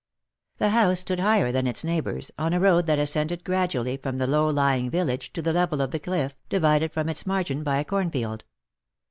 The house stood higher than its neighbours, on a road that ascended gradually from the low lying village to the level of the cliff, divided from its margin by a cornfield.